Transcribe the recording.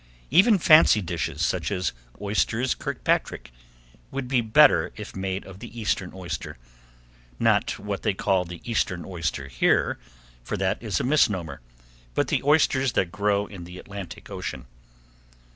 Even fancy dishes, such as Oysters Kirkpatrick, would be better if made of the eastern oyster, not what they call the eastern oyster here, for that is a misnomer, but the oysters that grow in the Atlantic Ocean.